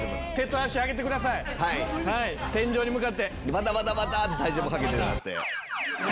バタバタバタッて体重もかけてもらって。